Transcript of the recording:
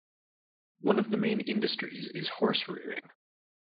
One of the main industries is horse-rearing.